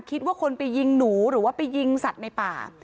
คิดว่าคนไปยิงหนูหรือว่าไปยิงสัตว์ในป่า